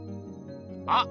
あっ！